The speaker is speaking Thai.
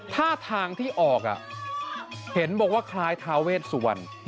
ท่าทางที่ออกเห็นบอกว่าคล้ายทาเวสวรรณ